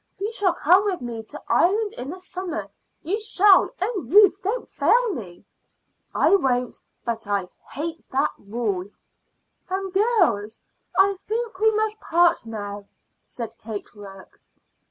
You shall come with me to Ireland in the summer. You shall. Oh Ruth, don't fail me!" "I won't; but I hate that rule." "And, girls, I think we must part now," said Kate Rourke.